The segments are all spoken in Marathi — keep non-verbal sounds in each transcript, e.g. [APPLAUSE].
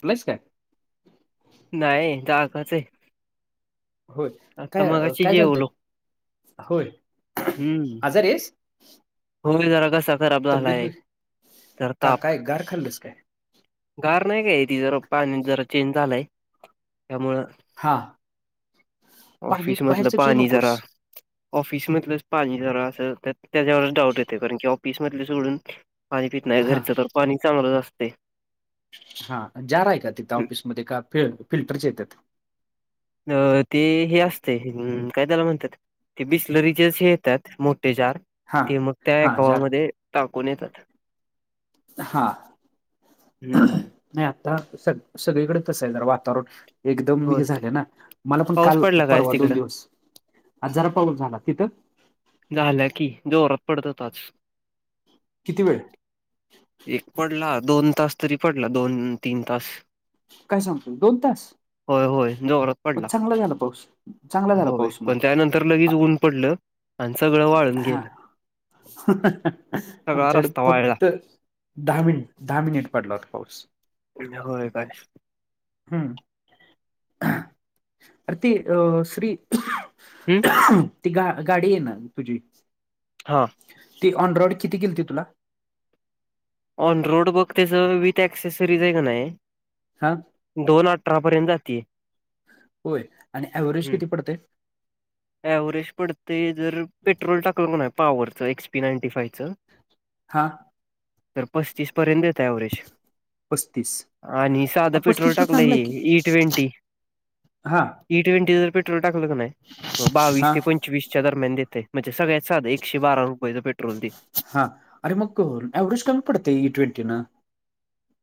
चलास काय नाही जागच आहे होय आता काय मगाशी काय चाणतात जेवलो होय आजार येस होमी जरा क सखराब झालाय तर ताप गारखंडस्क आहे गार नाही काय ती जर पाणी जरा चेंज झालंय त्यामुळं हां पाणी ऑफिस मतलब बाहेरचं पिऊ पाणी नकोस. जरा ऑफिसमधलंच पाणी जरा अस त्याच्यावरच डाऊट येते कारण की ऑफिसमधले सडून पाणी पित नाही हां, घरचं तर पाणी चांगलंच असते हा जा रा आहे का तिथं ऑफिसमध्ये का फि फिल्टरच्या येतात अ ते हे असते काय त्याला म्हणतात ते बिस्लरीचेे येतात मोठे जार हां, ते मग त्या हां. जार एकावामध्ये टाकून येतात हा हम्म नाही आता सग सगळीकडे तस आहे जरा वातावरण एकदम होय हे झाले ना मला पण पाऊस काल पडला काय आज परवा तिकडं दोन दिवस आ जरा पाऊल झाला तिथं झालं की जोरप पडत आच किती वेळ एक पडला दोन तास तरी पडला दोन तीन तास काय सांगतो दोन तास होय होय जोरात मग पडला चांगला झाला पाऊस चांगला झाला पाऊस मग तर लगेच ऊन पडलं आणि सगळं वाळून हा गेलं सगळा आमच्याकडे रस्ता वाळला फक्त दहा मनट दहा मनट पट लटकावस हो काय हम्म अती अ श्री हम् ती गा गाडी आहे ना तुझी. हां ती ऑन रॉइड किती गेलती तुला. ऑन रोड बघ त्याचं विथ ऍक्सेसरीज आहे का नाही. हब. दोन अठरा पर्यंत जातेय. होय आणि ऍव्हरेज किती पडते. एव्हरेज पडते जर पेट्रोल टाकलं कोण आहे पवरच एक्सपी नाईंटी फाईव्ह चं. हां. तर पस्तीस पर ये देता एव्हरेज. पस्तीस आणि अ, साधं पेट्रोल पस्तीस पण टाकलं चांगला हे आहे की ई ट्वेंटी. हा ई ट्वेंट डिझेलेट्रोल टाकलं का नाही मग बावीस हा ते पं. पचवीसच्या दरम्यान देते म्हणजे सगळ्या साध एकशे बार रुपय पेट्रोलली. हा अरे मग एव्हरेज कमी पडत इई ट्वेंटी ना.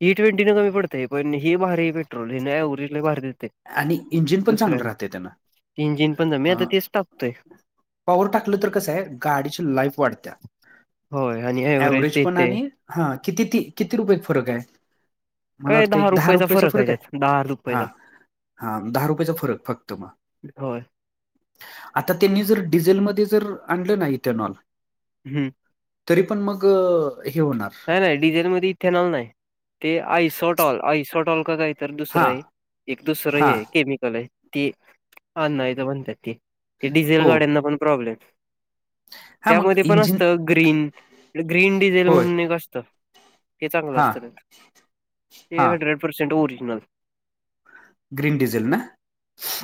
ई ट्वेंटी न कमी पडतेय पण हेीहहेारी पेट्रोल हेि ना व्हेजला बाहेर देते. आणि इंजिन पण दुसऱ्या चांगलं राहते त्यानं तीन जीन पण ज आता तेच टाकतो. य पवर टाकलं तर कसं आहे गाडीची लाईफ वाढत्या. होय आणि ॲव्हरेज व्हरेज पण देतंय आणि हा किती किती रुपये फरक आहे. मला वाटतं एक दहा रुपयाचा फरक आहे. हा हा दहा रुपयाेचा फरक फक्त मग. होय आता त्यांनी जर डिझेलमध्ये जर आणलं ना इथेनॉल. हम्म. तरी पण मग हे होणार. नाही नाही डिझेल मध्ये इथेनॉल नाही ते आयसोटॉल आयसोटॉल का काय. तर हा दुसरं आहे एक दुसरं हा हे केमिकल आहे ते. हा नाही तर म्हणतात ते ते डिझेल हो गाड्यांना पण प्रॉब्लेम. हा मग त्यामध्ये पण इंजिन असत ग्रीन ग्रीन डिझेल होय म्हणून एक असत. हे चांगलं हा असतं ते हा hundred percent original. Green diesel ना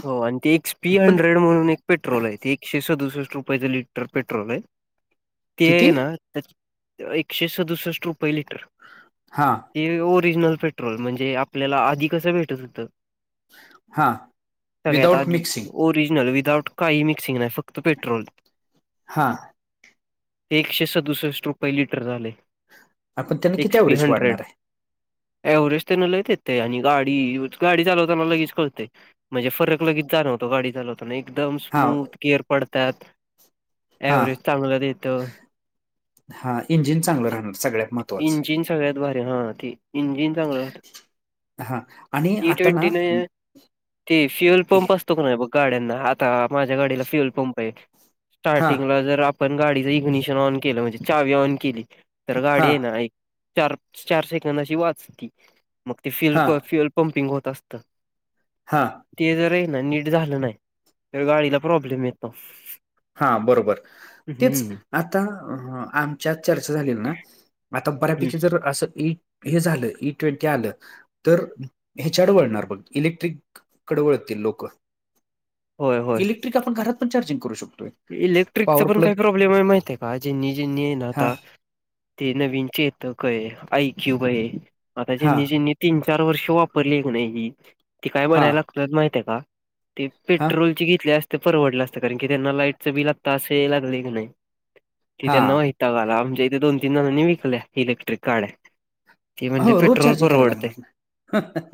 हो आणि ते एकपी पण हंड्रेड म्हणून एक. पेट्रोल आहे ते एक शेश दुसष्ट रुपयाच लिटर पेट्रोल आहे ते आहे किती ना. एकशे सदुसष्ट रुपये लिटर. हा. ते ओरिजिनल पेट्रोल म्हणजे आपल्याला आधी कसं भेटत होतं. हा विदाउट शगयताी मिक्सिंग ओरिजनल विदाउट. काही मिक्सिंग नाही फक्त पेट्रोल. हा. एकशे सदुसष्ट रुपये लिटर झाले आपण त्यांना किती एक्सपी ॲव्हरेज हंड्रेड. वाढणार आहे एव्हरेज त्यांना लय देते आणि गाडी गाडी चालवताना लगेच कळते. म्हणजे फरक लगेच जाणवतो गाडी चाल. पण एकदम हा स्मूथ केअर पडतात हा एवरेज चांगलं देत.. हा इंजिन चांगलं राहणार सगळ्या. इंजिन सगळ्यात भारी हा ते इंजिन. [UNINTELLIGIBLE] हा आणि टी आता ना ट्वेंटी ने [UNINTELLIGIBLE] ते फुल फॉर्म असतो ना. गाड्यांना आता माझ्या गाडीला फ्युल पंप आहे हा स्टार्टिंगला जर. पण गाडीच इग्निशन ऑन केलं म्हणजे चावी ऑन केली तर गाडी हा आहे ना ऐक. चार चार सेकंद अशी वाचती मग ते फ्युल हा फ्युल पंपिंग होत असत.. हां.. ते जर आहे ना नीट झालं नाही तर गाडीला प्रॉब्लेम येतो. हा बरोबर तेच हम्म आता आमच्यात चर्चा झाली ना. आता हम्म बऱ्यापैकी जर असं ए हे झालं इई ट्वेंटी आलं तर ह्याच्याड वळणार बघ इलेक्ट्रिक कडवळतील लोक होय होय इलेक्ट्रिक आपण घरात पण चार्जिंग करू शकतो. इलेक्ट्रिकचा पण काही प्रॉब्लेम आहे माहिितय का जिनी जिनी आहे ना हां, आता. ते नवीनचे येत हां, तीन चार वर्ष वापरली की नाही ती काय हां, बनायला लागतं माहिती का ते हां, पेट्रोलची घेतले असते परवडलं असत कारण की त्यांना लाईटचं बिल असे यायला लागले की नाही. तिथे हां. नता काला आमच्या इथे दोन तीन जणांनी विकल्या इलेक्ट्रिक गाड्या. ते म्हणजे हो, रोज पेट्रोल चार्जिंग करायला परवडते लागणार ना.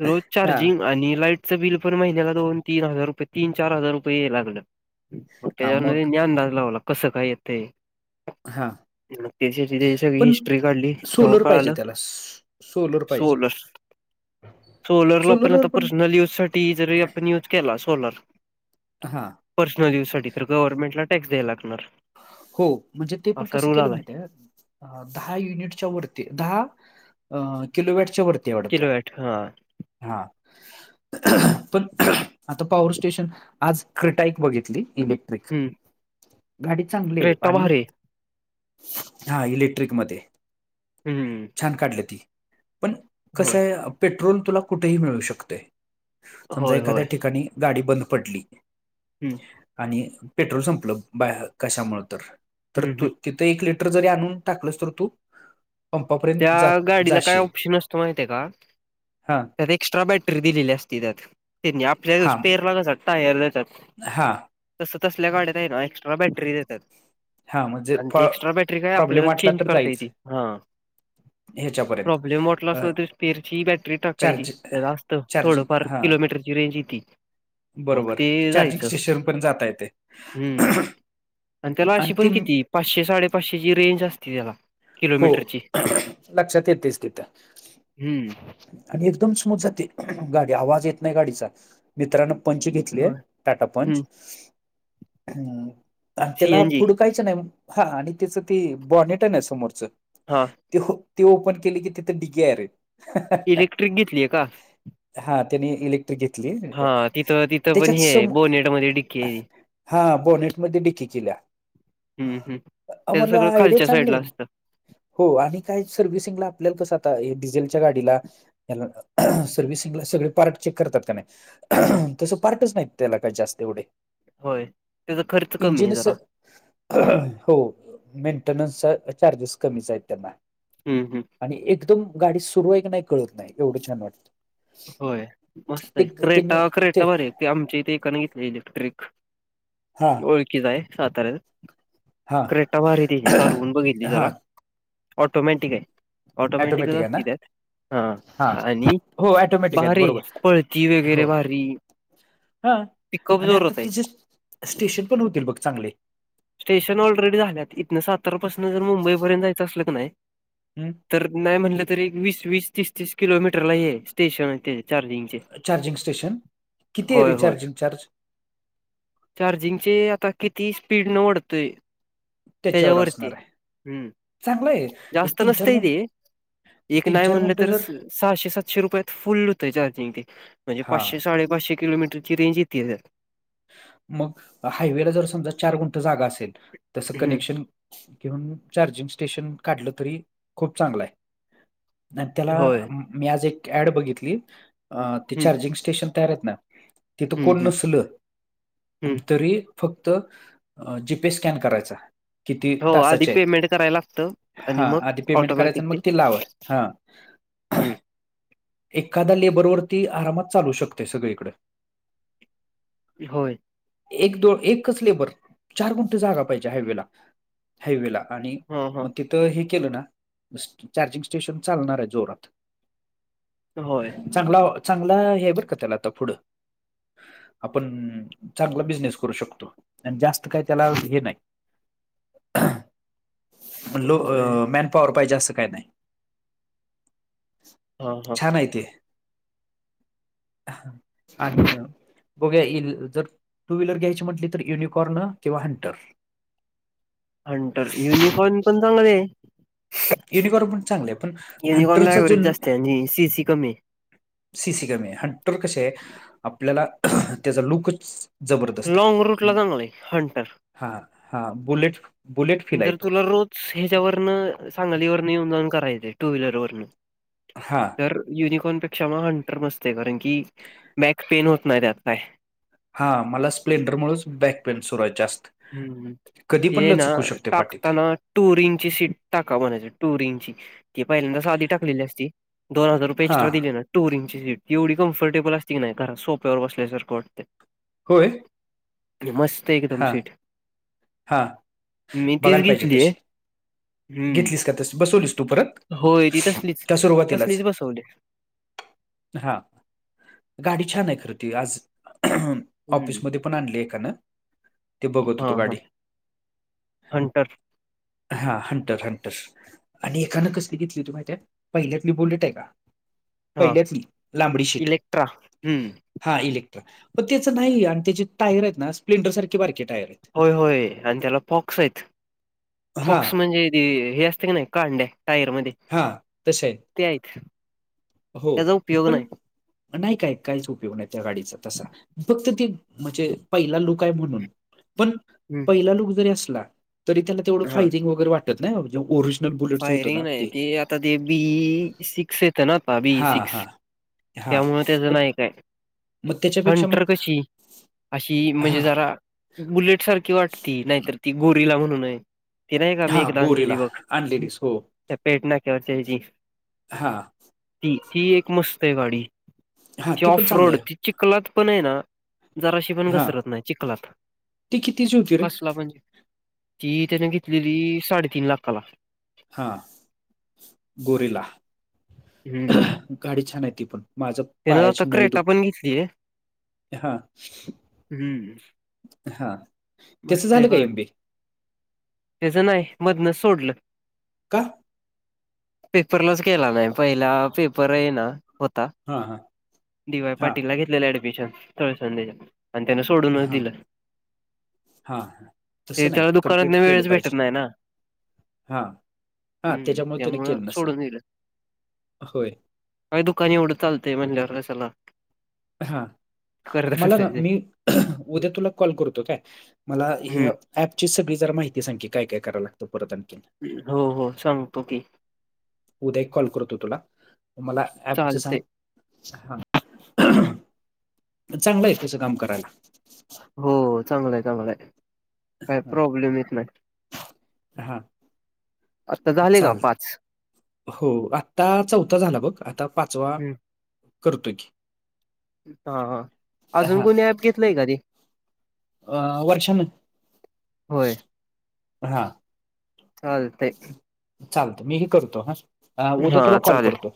[UNINTELLIGIBLE] रोज हां, चार्जिंग आणि लाईट बिल महिन्याला दोन तीन हजार रुपये तीन चार हजार रुपये लागल हां, त्या मग अाज लावला कसं काय येतंय हां, मग त्याच्या त्याची सगळी पण हिस्ट्री काढली तेव्हा सोलर पाहिजे कळालं त्याला. सोलर पाहिजे सोलरला पण आता पर्सनल युज साठी जरी आपण यूज केला सोलर. हां. पर्सनल युज साठी तर गव्हर्नमेंटला टॅक्स द्यायला लागणार. हो म्हणजे ते पण असा कसं रूल केलं आलाय माहितीय का दहा युनिटच्या वरती दहा अ किलोवटच्या वरती वाढतं किलोवॅट हा हा. पण आता पॉवर स्टेशन आज क्रिटाईक बघितली इलेक्ट्रिक हम्म. गाडी चांगली आहे क्रेटा पाणी भारी आहे. हा इलेक्ट्रिक मध्ये हम्म छान काढली ती पण होय कसय पेट्रोल तुला कुठेही मिळू शकत समजा होय होय एखाद्या ठिकाणी गाडी बंद पडली हं. आणि पेट्रोल संपलं बाहे कशामुळे तर तर हम्म तू हम्म तिथं एक लिटर जरी आणून टाकलंस तर तू पंपापर्यंत त्या जा गाडीला काय जाशील ऑप्शन असतो माहिती आहे का हां त्यात एक्स्ट्रा बॅटरी दिलेली असती त्यात त्यांनी आपल्या स्पेअरला [UNINTELLIGIBLE] हा. तसं तसल्या गाड्यात आहे ना एक्स्ट्रा बॅटरी देतात. हां म्हणजे आणि ती एक्स्ट्रा बॅटरी काय प्रॉब्लेम आपल्याला वाटला चेंज तर करता जाईच येते हा. ह्याच्यापर्यंत प्रॉब्लेम वाटला असत स्पेरची बॅटरी टाकायची चार्ज त्या असतं चार्जिंग थोडंफार हा किलोमीटर ज रेंज येतती. बरोबर चार्जिंग स्टेशन पण जाता य ते हम्म आणि त्याला अशी पण किती पाचशे साडे पाचशेची रेंज असते त्याला. हो किलोमीटरची लक्षात येतेच तिथं. हम्म. आणि एकदम स्मूथ जाते गाडी आवाज येत नाही गाडीचा मित्रांन पंच घेतलीय होय टाटा हम्म पंच [UNINTELLIGIBLE] ह आणि त्याला सीएनजी पुढ काहीच नाही हा आणि त्याचं ते बॉनेट आहे ना समोरचं हां ते ते ओपन केले की तिथे डिगे आहेरे आहेत इलेक्ट्रिक घेतलीय का हा त्यानी इलेक्ट्रिक घेतली हा तिथं तिथं पण त्याच्यात हे सम बोनेट मध्ये डिक्की आहे. हा बोनेटमध्येध्ये डिककी केल्या हम्म हम् अ, त्याच म्हटलं सगळं आयडिया खालच्या साईड चांगली ला आहे असतं हो आणि काय सर्व्हिसिंगला आपल्याला कसं आता डिझेलच्या गाडीला या सर्ववि्हसिंगला सगळे पार्ट चेक करतात का हम्म नाही तसं पार्टच नाहीत त्याला काय जास्त एवढे होय त्याचा खर्च कमी आहे इंजिनच जरा. हो मेंटेनन्सचा चार्जेस कमीच आहेत त्यांना हम् हम आणि एकदम गाडी सुरू आहे की नाही कळत नाही एवढं छान वाटतं होय मस्त ते आहे क्रेटा त्यांनी क्रेटा बर आहे ते आमच्या इथे एकाने घेतले इलेक्ट्रिक हा ओळखीचा आहे साताऱ्यात हां क्रेटा भारी त चालवून बघितली हां जला ऑटोमॅटिक आहे ऑटोमॅटिकच ॲटोमॅटिक आहे ना असतील त्यात हा हां आणि हो ॲटोमॅटिक आहेत भारे बरोबर पळती वगैरे भारी हा पिकअप आणि आता जोरात आहे त्याचे स्टेशन पण होतील बघ चांगले स्टेशन ऑलरेडी झाल्यात इथनं सातर पाासून जर मुंबईपर्यंत जायचं असलं की नाही तर नाही म्हटलं तर एक वीस वीस तीस तीस किलोमीटरला आहे स्टेशन ते चार्जिंगचे चार्जिंग स्टेशन किती आहे होय होय रिचार्जिंग चार्ज चार्जिंगचे आता किती स्पीड न ओढतय त्याच्यावर तेजवर्ती असणार आहे हम्म चांगलं आहे एक जाास्त तीन चार अनस्तये मिनिट एक तीन नाही चार म्हणलं गुंठ तर जर सहाशे सातशे रुपयात फुल होतंय चार्जिंग ते म्हणजे हा पाचशे साडे पाचशे किलोमीटर चि रेंजेतय आहे मग हायवेला जर समजा चार गुण जागा असेल तस हम्म कनेक्शन घिऊन चार्जिंग स्टेशन काढलं तरी खूप चांगलं आहे आणि त्याला होय मी आज एक ऍड बघितली हम्म चार्जिंग स्टेशन तयार आहेत ना तिथं हम्म कोण हम्म नसल हम्म तरी फक्त जीपी स्कॅन करायचा किती हो आधी तासाचे आहेत पेमेंट करायला लागत आणि हा मग आधी पेमेंट करायचं ऑटोमॅटिक आणि ते मग लावा हा हम्म एखादा लेबरवरती आरामात चालू शकते सगळीकडं होय एक दो एक कच ले बर चार कोुणती जागा पाहिजे हायवेला हायवे ला आणि हां हां मग तिथं हे केलं ना चार्जिंग स्टेशन चालणार आहे जोरात होय चांगला चांगला हे बर का त्याला आता पुढं आपण चांगला बिझनेस करू शकतो आणि जास्त काही त्याला हे नाही म्ह लो होय अ मॅन पॉवर पाहिजे असं काय नाही हां हां छान आहे ते आणि बघ्या जर टू व्हीलर घ्यायची म्हटली तर युनिकॉर्न किंवा हंटर [INAUDIBLE] हंंतर युनिकॉर्न पण चांगले युनिकॉर्न पण चांगलं आहे पण म्ह हंटरचा जो कोणलायबरज जास्त आहे म्ह सी सी कमी आहे सी सी कॅमे ह्टर कसे आपल्याला त्याचा लुकच जबरदस्त आहे लॉंग रूटला चांगलं हंटर हा हा बुलेट बुलेट फील आहे जर तो तुला रोज ह्याच्यावरन सांगालीवरन येऊन जाऊन करायचे टू व्हीलर वन हां तर युनिकॉर्न पेक्षा मग हंटर मसते कारण की बॅक पेन होत नाही त्यात काय हा मला स्प्लेंडर मुळच बॅक पेन सुरयचे असत हम्म हे ना पाठीत टाकताना टुर इंची सीट टाका म्हणायचं टुर इंची ती पहिल्यांदा साधी टाकली असती दोन हजार रुपय हां एक्स्ट्रा दिले ना टूर इंची सीट एवढी कम्फर्टेबल असते की नाही घरा सोप्यावर बसल्यासारखं वाटत होय मस्त एकदम हां सीठ हां. मी तीच बघायला पाहिजे घेतलीय तशी हम्म घेतलीस का तस बसवलीस तू परत होय ती तसलीच त्या सुरुवातीलाच तसलीच बसवली हा गाडी छान आहे खरं त आज हम्म ऑफिसमध्ये पण आणले एका ना. हा हा हंटर. हा हंटर हंटर. आणि एकानं कसली घेतली होती माहि त्यात पहिल्यात मी बोलत आहे का. हा पहिल्याचली लांबडी शीट. इलेक्ट्रा हम्म हा इलेक्ट्रा पन त्याचं नाही आणि त्याचे टायर आहेत ना स्प्लेंडर सारखे बारकी टायर आहेत. होय होय आणि त्याला फॉक्स आहेत हा फॉक्स म्हणजे हे असतं की नाही का कांड्या टायर मध्ये. हा तसे ते आहेत हो त्याचा उपयोग पण नाही. नाही काय काहीच उपयोग नाही त्या गाडीचा तसा. फक्त त म्हणजे पहिला लोक आहे म्हणून पण हम्म पहिला लुक जरी असला तरी त्याला तेवढं हा फायजिंग वगैरे वाटत नाही ओरिज बुलेट होत फायरिंग ना. नाही ते आता ते बी सिक्स येतं ना बाबी हा सिक्स हा हा त्यामुळे त्याच पण नाही. हित हाय मग त्याच्यापेक्षा हंटर मग कशी अशी म्हणजे हा जरा बुलेट सारखी वाटती नाहीतर ती गोरीला म्हणूनय हा गोरीला आणलेलीस हो. त्या पेठ नाक्यावरची ह्याचे हा त्याची एक मस्त हाय गाडी. हां, ती पण ऑफ चांगली रोड आहे. तिची कलात पण आहे ना. जराशी पण हां, घसरत नाही चिकला ती कितीची होती रे? कसला पण ती त्याने घेतलेली साडेतीन लाखाला. हा गोरीेला हम्म गाडी छान आहे ती पण माझ त्यान आता पायाची नळी क्रेटा दुप पण घेतलीय [INAUDIBLE] ह हम्म हा. मस्त आहे गाडी त्याच नाही मधनच सोडलं. का पेपरलाच केला नाही पहिला पेपर आहे ना होता. हा हा. डी वाय पाटील ला घेतलेलं ऍडमिशन थळसंडे आणि त्यान सोडूनच दिलं हा ते तसं नाही त्याला दुकानातन कमप्लीट केलं वेळच भेटत पाहिजे. नाही ना हा हा हम्म त्याच्यामुळे त्याने त्यामुळं केलं नसेल सोडून दिलं होय काय दुकाने एवढं चालते म्हणल्यावर कशाला. हा करत मला ना बसायचं मी उद्या तुला कॉल करतो काय मला हे हम्म अ ऍपची सग जरा माहिती सांकी काय काय कराय लागत परत आणखी हो हो सांगतो की उद्या एक कॉल करतो तुला मला ऍपच सांग चालतंय हां. चांगलं आहे तसं काम करायला. हो चांगलंय चांगलंय. काय हां, प्रॉब्लेम येत नाही हां, आता झाले का चालेल. पाच. हो आत्ता चौथा झाला बघ आता पाचवा हम्म करतोय की हा हा अजून हा कोणी ऍप घेतलंय का रे अ वर्षन होय हां. चालतंय की. चालत मी ही करतो हा. अ उद्या हा तुला कॉल चालेल करतो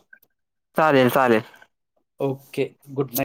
चालेल चालेल. Okay good night.